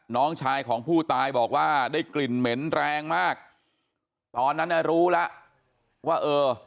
น้องชายของผู้ตายบอกว่าได้กลิ่นเหม็นแรงมากตอนนั้นน่ะรู้แล้วว่าเออ